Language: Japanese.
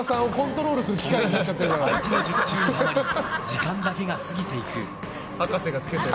その後も相手の術中にはまり時間だけが過ぎていく。